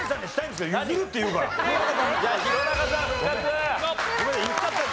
すいません。